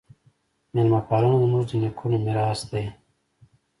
میلمه پالنه زموږ د نیکونو میراث دی.